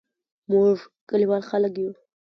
موږ کلیوال خلګ یو